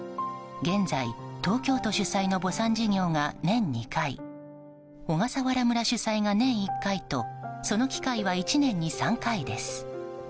現在、東京都主催の墓参事業が年２回小笠原村主催が年１回とその機会は１年に３回です。